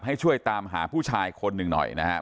ให้ช่วยตามหาผู้ชายคนหนึ่งหน่อยนะครับ